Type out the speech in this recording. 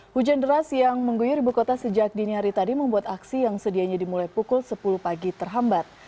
hujan deras yang mengguyur ibu kota sejak dini hari tadi membuat aksi yang sedianya dimulai pukul sepuluh pagi terhambat